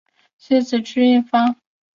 妻子琚逸芳。